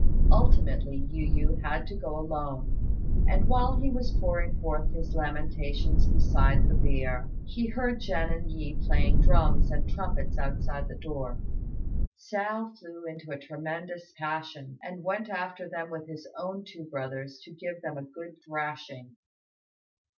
Ultimately Yu yü had to go alone; and while he was pouring forth his lamentations beside the bier, he heard Jen and Yi playing drums and trumpets outside the door. Hsiao flew into a tremendous passion, and went after them with his own two brothers to give them a good thrashing.